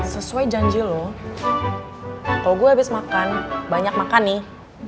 sesuai janji lo atau gue habis makan banyak makan nih